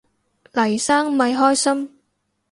黎生咪開心